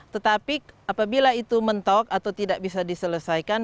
tetapi apabila itu mentok atau tidak bisa diselesaikan